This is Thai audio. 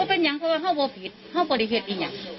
ว่าเป็นอย่างเขาว่าเข้าบัวผิดเข้าบัวได้เหตุอีกอย่าง